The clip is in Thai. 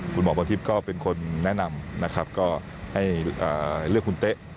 คุณหมอพรทิพย์ก็เป็นคนแนะนำให้เลือกคุณเต้